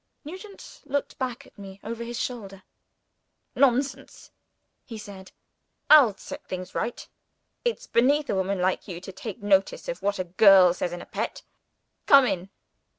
Nugent looked back at me, over his shoulder. "Nonsense!" he said. "I'll set things right. It's beneath a woman like you to take notice of what a girl says in a pet. Come in!"